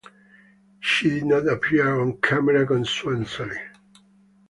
She did not appear on camera consensually.